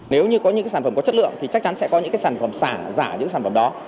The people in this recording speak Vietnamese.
nếu như có những sản phẩm có chất lượng thì chắc chắn sẽ có những sản phẩm giả những sản phẩm đó